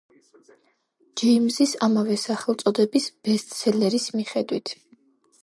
ჯეიმზის ამავე სახელწოდების ბესტსელერის მიხედვით.